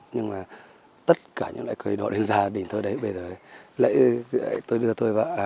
nhưng mà tất cả những loại cây đỗ đến gia đình tôi đấy bây giờ tôi đưa tôi vào